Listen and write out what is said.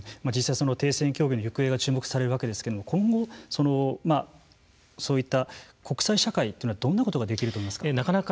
実際停戦協議の行方が注目されるわけですけれども今後、そういった国際社会というのはどんなことができると思いますか。